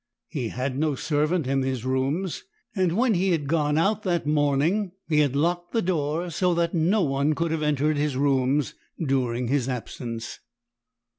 He had no servant in his rooms, and when he had gone out that morning he had locked the door, so no one could have entered his rooms during his absence.